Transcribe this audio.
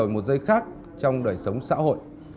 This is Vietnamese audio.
một dây khác trong đời sống xã hội